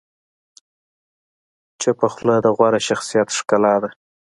چپه خوله، د غوره شخصیت ښکلا ده.